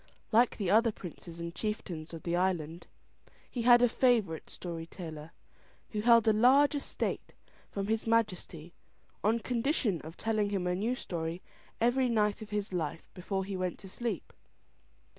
Like the other princes and chieftains of the island, he had a favourite story teller, who held a large estate from his Majesty, on condition of telling him a new story every night of his life, before he went to sleep.